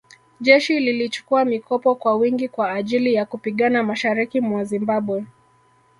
Jeshi lilichukua mikopo kwa wingi kwa ajili ya kupigana mashariki mwa Zimbabwe